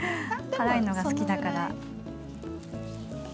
辛いのが好きだから。